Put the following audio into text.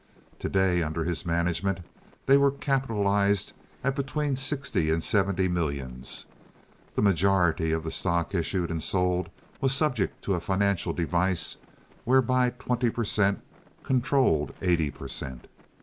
To day, under his management, they were capitalized at between sixty and seventy millions. The majority of the stock issued and sold was subject to a financial device whereby twenty per cent. controlled eighty per cent.